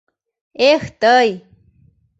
— Эх тый!